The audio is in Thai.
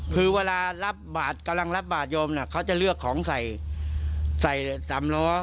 คือเวลารับบาทกำลังรับบาทโยมเขาจะเลือกของใส่ใส่สามล้อ